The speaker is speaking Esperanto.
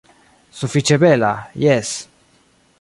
Sufiĉe bela, jes.